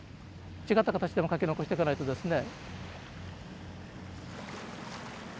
違った形でも書き残してかないとですね。